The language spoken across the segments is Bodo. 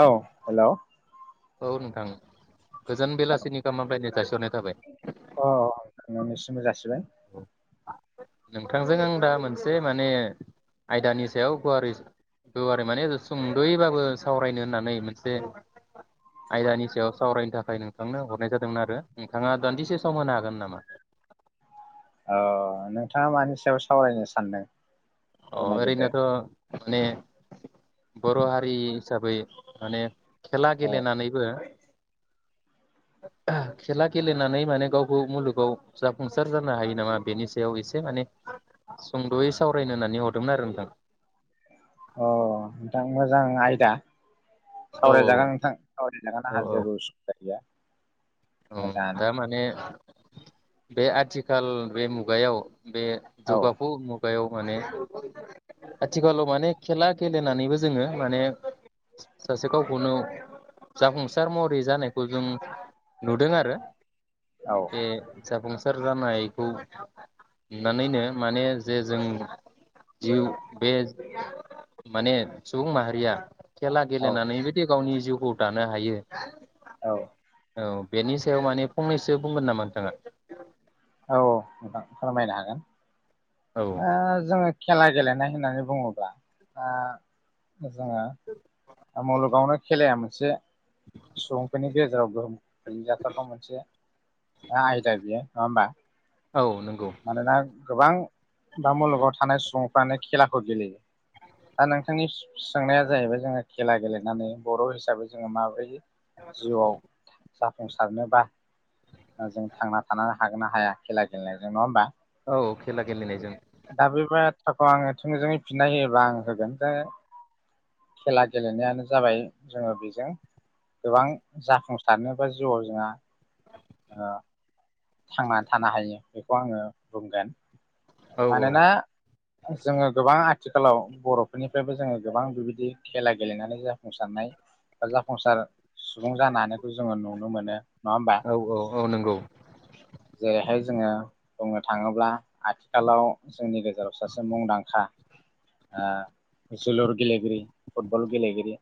औ हेलौ। ओ नोंथां। गोजान बेलासिनि गामानिफ्रायायनो थसिहरनाय थाबाय। मोननानिसिमबो जासिबाय। औ। नोंथांजों आं दा मोनसे माने आयदानि सायाव गुवारै गुवारै माने सुंद'यैबाबो सावरायनो होननानै मोनसे आयदानि सायाव सावरायनो थाखाय नोंथांनो हरनाय जादोंमोन आरो नोंथाङा दान्दिसे सम होनो हागोन नामा। औ नोंथाङा मानि सायाव सावरायनो सानदों। फोरमायग्रोदो अरैनोथ। माने बरहारि हिसाबै माने। खेला औ गेलेनानैबो। खेला गेलेनानै माने गावखौ मुलुगाव जाफुंसार जानो हायो नामा बेनि सायाव एसे माने सुंदयै सावरायनो होननानै। हरदोंमोन आरो नोंथां। अ नोंथां मोजां आयदा। औ सावरायजागोन नोंथां सावरायजागोन औ आंहा औ जेबो उसुबिदा गैया। औ मोजाङानो दारमाने बे। आथिखाल बे मुगायाव। बे औ जौगाफु मुगायाव माने आथिखालाव माने खेला गेलेनानैबो जोङो नुदों आरो औ ए जाबुंस सोर जानायखौ नुनानैनो माने जे जों जिउ बे माने सुबुं माहारिया खेला औ गेलेनानैबो दे गावनि जिउ खु दानो हायो। औ औ बेनि सायाव माने फंनैसो बुंगोन नामा नोंथाङा? औ अ नोंथां फोरमायनो हागोन। औ ओ जोङो खेला गेलेनाय होननानै बुङोब्ला ओ जोङो ओ मुलुगावनो खेलाया मोनसे सुबुंफोरनि गेजेराव गोहोम गोलैयाबाथ' मोनसे आयदा बेयो नङा होमबा औ नंगौ मानोना गोबां बा मुलुगाव थानाय सुबुंफ्रानो खेलाखौ गेलेयो दा नोंथांनि सोंनाया जाहैबाय जोङो खेला गेलेनानै बर' हिसाबै जोङो माब्रैयै जिउआव जाफुंसारनोबा ओ जों थांना थानो हागोन ना हाया खेला गेलेनायजों नङा होमबा? औ खेला गेलेनायजों साफा आङो थोंजोङै फिननाय होयोबा आं होगोन दा खेला गेलेनायानो जाबाय जोङो बेजों गोबां जाफुंसारनोबा जिउआव जोंहा ओ थांनानै थानो हायो बेखौ आङो बुंगोन। औ औ मानोना जोङो गोबां आथिखालाव बर'फोरनिफ्रायबो जोङो गोबां बेबायदि खेला गेलेनानै जाफुंसारनाय बा जाफुंसार सुबुं जानानैखो जोङो नुनो मोनो नङा होमबा? औ औ औ नंगौ जेरैहाय जोङो बुंनो थाङोब्ला आथिखालाव जोंनि गेजेराव सासे मुंदांखा ओ जोलुर गेलेगिरि फुटबल गेलेगिरि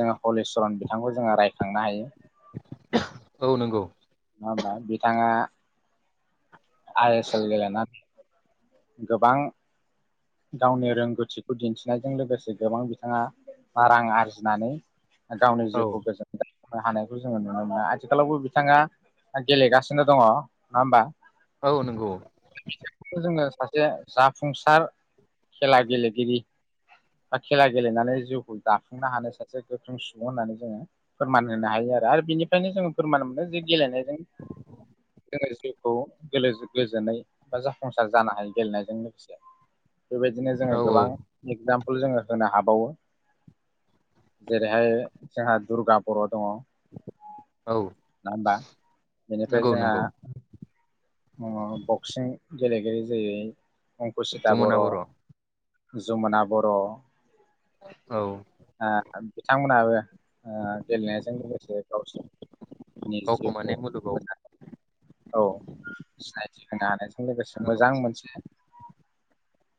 जोङो हलिचरन बिथांखौ जोङो रायखांनो हायो। औ नंगौ। नङा होमबा बिथाङा आइ एसल गेलनानै गोबां गावनि रोंगौथिखौ दिन्थिनायजों लोगोसे गोबां बिथाङा रां आरजिनानै गावनि औ जिउखौ गोजोनदों। हानायखौ जोङो नुनो मोनो आथिखालावबो बिथाङा गेलेगासिनो दङ नङा होमबा? औ नंगौ। जोङो सासे जाफुंसार खेला गेलेगिरि बा खेला गेलेनानै जिउखौ दाफुंनो हानाय सासे गोख्रों सुबुं होननानै जोङो फोरमान होनो हायो आरो आरो बेनिफ्रायनो जोङो फोरमान मोनो जे गेलेनाय [unintelligible] औ गेलेजो गोजोनै बा जाफुंसार जानो हायो गेलेनायजों लोगोसे। बेबायदिनो औ जोङो गोबां एगजामपोल जोङो होनो हाबावो जेरैहाय जोंहा दुर्गा बर' दङ औ नङा हबा बेनिफ्राय नंगौ जोंहा नंगौ उम बक्सिं गेलेगिरि जेरै अंकुसिता जमुना बर'। औ जुमुना बर' औ बिथांमोनहाबो ओ गेलेनायजों लोगोसे गावसोरनि जिउखौ माने मुलुगाव मोननो हायो औ। सिनायथि होनो हानायजों जों लोगोसे औ मोजां मोनसे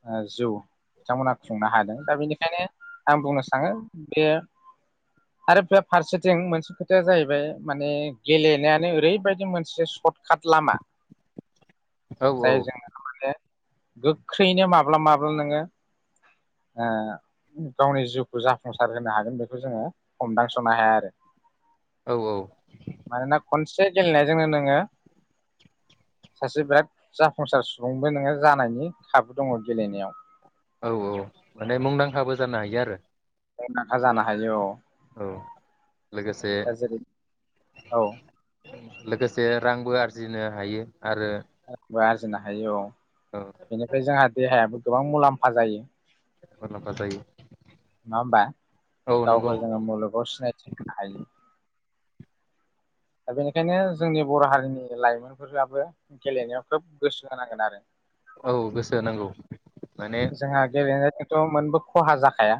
ओ जौ बिथांमोना खुंनो हादों दा बेनिखायनो आं बुंनो सानो बे आरो बे फारसेथिं मोनसे खोथाया जाहैबाय माने गेलेनायानो ओरैबायदि मोनसे सर्ट काट लामा औ जाय जोंना माने। गोख्रैयैनो माब्ला माब्ला नोङो ओ गावनि जिउखौ जाफुंसार होनो हागोन बेखौ जोङो हमदांस'नो हाया आरो औ औ मानोना खनसे एसे गेलेनायजोंनो नोङो सासे बिराद जाफुंसार सुबुंबो नोङो जानायनि खाबु दङ गेलेनायाव औ औ माने मुंदांखाबो जानो हायो आरो। मुंदांखा जानो हायो औ। औ। लोगोसे [unintelligible] औ लोगोसे रांबो आरजिनो हायो। आरो बा आरजिनो हायो ओ औ बेनिफ्राय जोंहा देहायाबो गोबां मुलाम्फा जायो। मुलाम्फा जायो नङा होमबा औ नंगौ गावखौ जोङो मुलुगाव सिनायथि होनो हायो। दा बेनिखायनो जोंनि बर' हारिनि लाइमोनफोराबो गेलेनायाव खोब गोसो होनांगोन आरो। औ गोसो होनांगौ। माने जोंहा गेलेनो थ मोनबो खहा जाखाया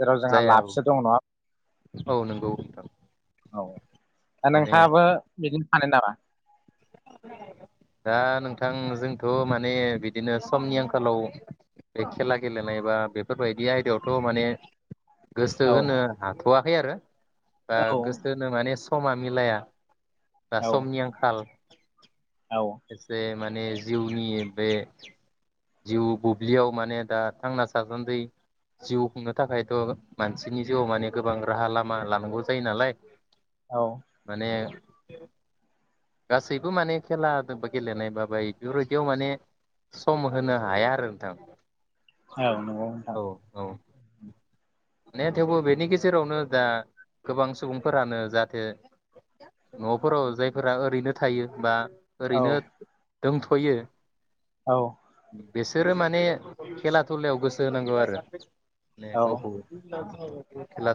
जेराव जोंहा जाया औ लाबसो दं नङा औ नंगौ नोंथां। औ दा माने नोंथाङाबो बिदिनो सानो नामा? दा नोंथां जोंथ' माने बिदिनो समनि आंखालाव बे खेला गेलेनाय बा बेफोरबायदि आयदायावथ' माने गोसथो औ होनो हाथ'वा खै आरो बा औ गोसोहोनो माने समा मिलाया दा औ समनि आंखाल औ एसे माने जिउनि बे जिउ बुब्लियाव माने दा थांना थासान्दि जिउ खुंनो थाखायथ' मानसिनि जिउआव माने गोबां राहा लामा लानांगौ जायो नालाय औ माने गासैब बो माने खेला दोबो गेलेनाय बाबाय बेफोरबायदियाव माने सम होनो हाया आरो नोंथां। औ नंगौ नोंथां औ औ। ने थेवबो बेनि गेजेरावनो दा गोबां सुबुंफोरानो जाहाथे न'फोराव जायफोरा ओरैनो थायो बा औ ओरैनो दोंथ'यो। औ। बिसोरो माने खेला दुलायाव गोसो होनांगौ आरो। ने औ गावखौ [inaudible]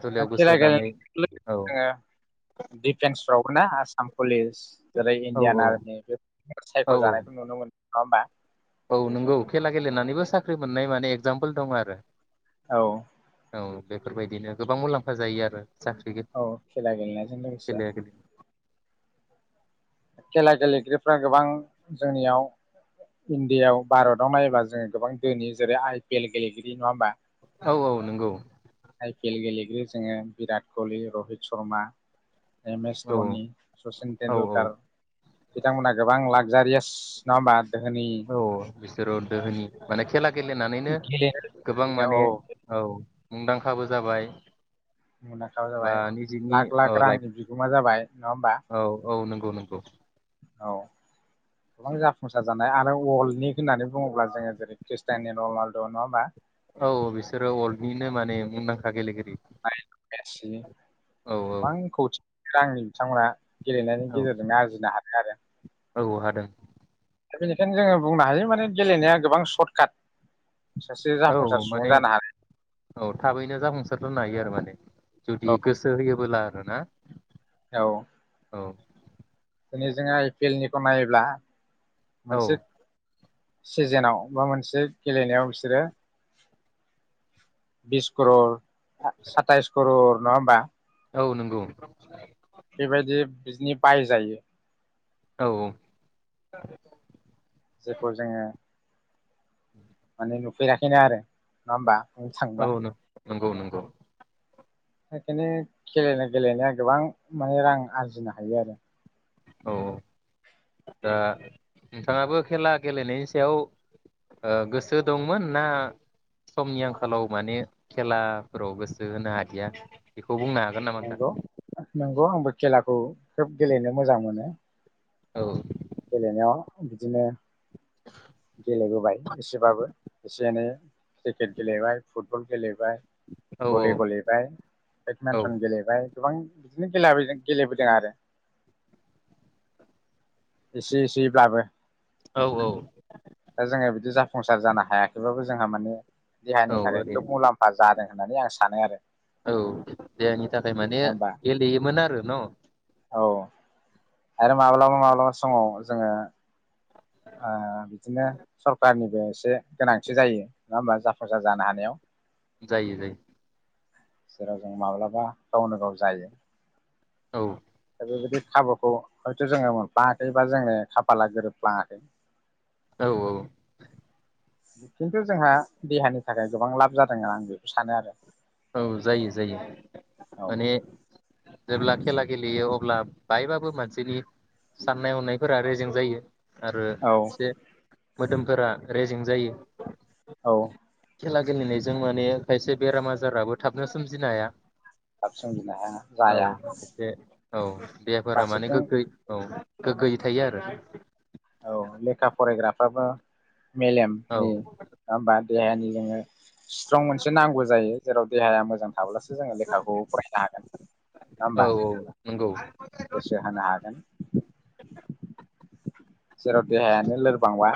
दुलायाव गोसो खेला होनानै गेलेना औ [unintelligible] दिफेन्सफ्रावबो ना आसाम फुलिस जेरै औ दियान औ आर्मि, बे औ सायख' औ जानायखौ नुनो मोन नङा होमबा? औ नंगौ खेला गेलेनानैबो साख्रि मोननाय माने एगजामपोल दं आरो। औ। औ बेफोरबायदिनो गोबां मुलाम्फा जायो आरो। साख्रि औ खेला गेलेनायजों लोगोसे खेलाया गेले खेला गेलेगिरिफ्रा गोबां जोंनियाव इण्डियायाव भारताव नायोब्ला जोङो गोबां दोहोनि। जेरै आइ पि एल गेलेगिरि, नङा होमबा? औ औ नंगौ। खेल गेलेगिरि जोङो बिराट कलि, रहित शर्मा, एम एस औ धनि, सचिन औ औ टेन्डुलकार। बिथांमोना गोबां लाक्जारियास नङा होमबा धोनि औ बिसोरो दोहोनि माने खेला गेलेनानैनो गोबां गेलेनो माने, औ औ। मुंदांखाबो जाबाय। मुंदांखा बा जाबाय, निजिनि लाख लाख लाइफ रांनि बिगोमा जाबाय, नङा होमबा? औ औ नंगौ नंगौ औ गोबां जाफुंसार जा आरो वल्डनि होननानै बुङोब्ला जोङो जेरै खृस्टायन' रलान दङ नङा होमबा? औ बिसोरो वल्डनिनो माने मुंदां खा गेलेगिरि। औ एक्सिलेन्ड। आं कौटि सांनि बिथांमोना गेलेनायनि औ गेजेरजों आरजिनो हायो आरो औ हादों दा बेनिखायनो जोङो बुंनो हायो माने गेलेनाया गोबां सर्टकाट औ माने औ थाबैनो जाफुंसार जानो हायो आरो माने जुदि औ गोसो होयोबोला नंगौना औ औ दिनै जों आइ पि एल नि नायोब्ला औ मोनानसे सिजोनाव बा मोनसे गेलेनायाव बिसोरो बिस करर साताइस कररर नङा होमबा औ नंगौ बेबायदि बिदिनि बायजायो औ जेखौ जोङो माने नुफेराखैनो आरो नङा होमबा बुंनो औ थांबा नंगौ नंगौ बेखायनो गेलेनाय गेलेनाया गोबां माने रां आरजिनो हायो आरो औ दा नोंथाङाबो खेला गेलेनायनि सायाव गोसो दंमोन ना समनि आंखालाव माने खेलाफोराव गोसो होनो हादिया बे खौ बुंनो हागोन नामा नंगौ नोंथां नंगौ आंबो खेलाखौ खोब गेलेनो मोजां मोनो औ गेलेनायाव बिदिनो गेलेबोबाय एसेबाबो एसे एनै क्रिकेट गेलेबाय फुटबल गेलेब बाय, औ भलि गेलेबाय, औ बेदमिन्टन गेलेबाय गोबां बिदिनो [unintelligible] गेलेबोदों आरो एसे एसेब्लाबो औ औ दा जोङो बिदि जाफ संसार जानो हायाखैबाबो जोंहा माने औ देहानि थाखाय ओरैनो खोब मुलाम्फा जादों होननानै आं सा सानो आरो औ देहनि थाखाय माने नङा होमबा गेलेयोमोन आरो न' औ आरो माब्लाबा माब्लाबा समाव जोङो ओ बिदिनो सरखारारनिबो एसे गोनांथि जायो नङा होमबा जाफुंसार जानो हानायाव जायो जायो जेराव जों माब्लाबा गावनो गाव जायो। औ दा बेबायदि खाबुखौ हयथ' जोङो मोनफ्लाङाखैबा जोङो खाफाला गोरोबफ्लाङाखै। [inaudible] औ-औ खिन्थु जोंहा देहानि थाखाय गोबां लाब जादों आं बेखौ सानो आरो। औ जायो-जायो औ माने जेब्ला खेला गेलेयो अब्ला बाहायबाबो मानसिनि साननाय हनायफोरा रेजें जायो। आरो औ एसे मोदोमफोरा रेजें जायो। औ खेला गेलेनायजों माने खायसे बेराम आज जाराबो थाबनो सोमजिनो हाया। थाब सोमजिनो हाया औ जाया। एसे औ देहाफोरा माने फारसेथिं गोख्रै औ, गोग्गोयै थायो आरो औ लेखा फरायग्राफ्राबो औ मेलेमनि नङा होमबा जायानि जोङो स्ट्रं मोनसे नांगौ जायो जेराव देहाया मोजां थाब्लासो जोङो लेखाखौ फरायनो हागोन नङा औ होमबा नंगौ गोसो होनो हागोन जेराव देहायानो लोरबांब्ला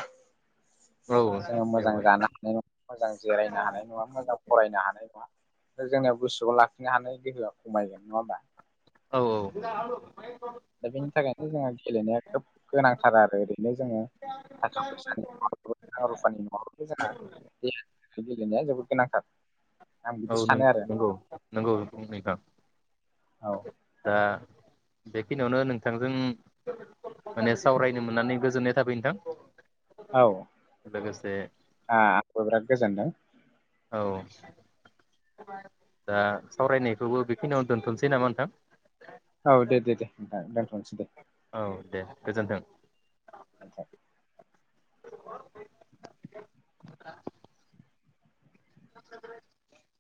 औ जोङो मोजां बेवहाय जानो हानाय नङा मोजां जिरायनो हानाय नङा मोजां फरायनो हानाय नङा। दा जोंनियाव गोसोआव लाखिनो हानाय गोहोआ खमायगोन नङा होमबा? औ-औ दा बेनि थाखायनो जोंहा गेलेनाया खोब गोनांथार आरो ओरै फ्राइ जोङो थाखा फैसानि [unintelligible] गेलेनाया जोबोर गोनांथार। आं औ बिदि नं सानो आरो -नंगौ-नंगौ नोंथां औ आ बेखिनियावनो नोंथांजों माने सावरायनो मोननानै गोजोननाय [unintelligible] नोथां। औ, आ आंबो बिराद गोजोनदों। औ दा सावरायनायखौबो बेखिनियाव दोनथ'नोसै नामा नोंथां? दा दोनथ'नोसै दे। औ दे गोजोनथों। [unintelligible] [unintelligible]